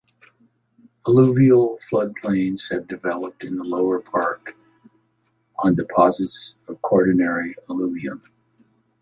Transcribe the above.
Alluvial floodplains have developed in the lower park on deposits of quaternary alluvium.